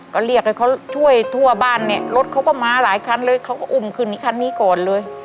ก็เรียกให้เขาช่วยทั่วบ้านเนี่ยรถเขาก็มาหลายคันเลยเขาก็อุ้มขึ้นอีกคันนี้ก่อนเลย